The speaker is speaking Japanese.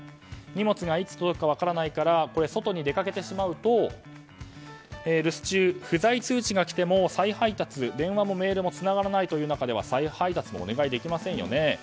荷物がいつ届くか分からないから外に出かけてしまうと留守中、不在通知が来ても再配達、電話もメールもつながらないという中では再配達もお願いできませんよね。